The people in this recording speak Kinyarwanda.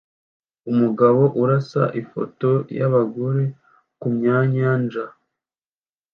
Umugabo urasa ifoto yabagore kumyanyanja